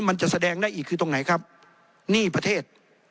มันจะแสดงได้อีกคือตรงไหนครับหนี้ประเทศ